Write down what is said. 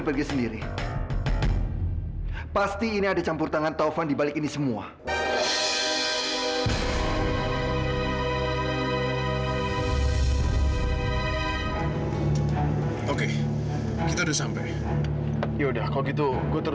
permisi tadi saya udah pesen meja nomor dua puluh itu